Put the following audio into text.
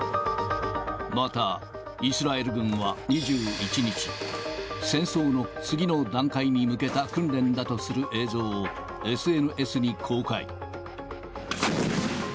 また、イスラエル軍は２１日、戦争の次の段階に向けた訓練だとする映像をＳＮＳに公開。